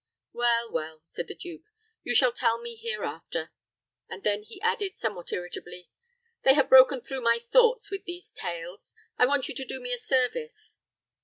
"Well, well," said the duke, "you shall tell me hereafter;" and then he added, somewhat irritably, "they have broken through my thoughts with these tales. I want you to do me a service."